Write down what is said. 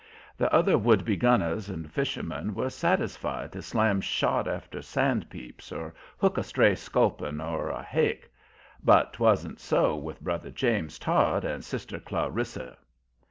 The other would be gunners and fishermen were satisfied to slam shot after sandpeeps, or hook a stray sculpin or a hake. But t'wa'n't so with brother James Todd and sister Clarissa.